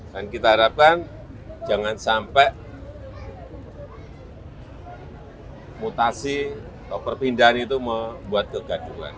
dan kita harapkan jangan sampai mutasi atau perpindahan itu membuat kegaduhan